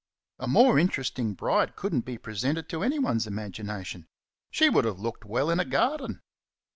A more interesting bride couldn't be presented to anyone's imagination. She would have looked well in a garden.